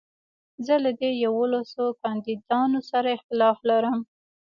زه له دې يوولسو کانديدانو سره اختلاف لرم.